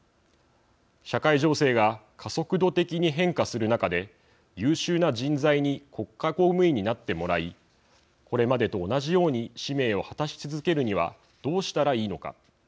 社会情勢が加速度的に変化する中で優秀な人材に国家公務員になってもらいこれまでと同じように使命を果たし続けるにはどうしたらいいのか。